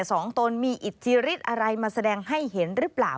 ตนมีอิทธิฤทธิ์อะไรมาแสดงให้เห็นหรือเปล่า